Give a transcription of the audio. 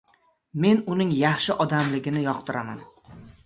Men uning yaxshi odamligini yoqtiraman.